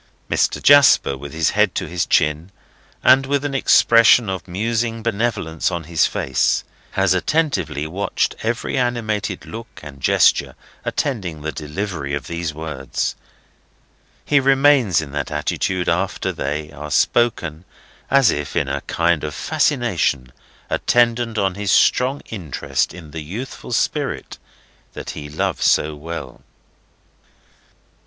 Mr. Jasper, with his hand to his chin, and with an expression of musing benevolence on his face, has attentively watched every animated look and gesture attending the delivery of these words. He remains in that attitude after they are spoken, as if in a kind of fascination attendant on his strong interest in the youthful spirit that he loves so well.